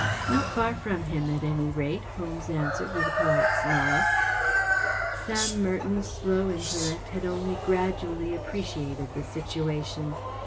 ‚ÄĚ “ Not far from him, at any rate,‚ÄĚ Holmes answered, with a polite smile. Sam Merton’s slow intellect had only gradually appreciated the situation.